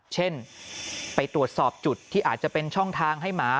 เช่นไปตรวจสอบจุดที่อาจจะเป็นช่องทางให้หมา